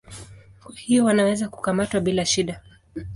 Kwa hivyo wanaweza kukamatwa bila shida.